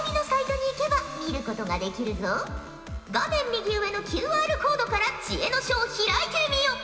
画面右上のＱＲコードから知恵の書を開いてみよ！